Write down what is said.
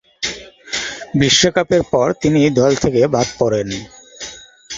বিশ্বকাপের পর তিনি দল থেকে বাদ পড়েন।